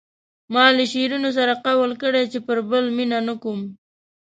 ما له شیرینو سره قول کړی چې پر بل مینه نه کوم.